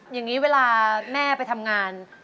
อย่างนี้เวลาแม่ไปทำงาน